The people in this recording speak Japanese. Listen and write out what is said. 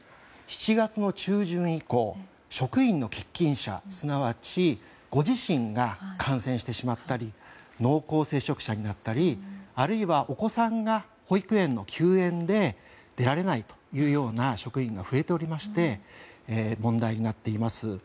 ７月の中旬以降職員の欠勤者すなわちご自身が感染してしまったり濃厚接触者になったりあるいはお子さんが保育園の休園で出られないというような職員が増えておりまして問題になっています。